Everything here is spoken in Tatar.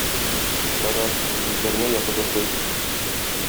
Ярар, Зөлкарнәй ятып йоклый.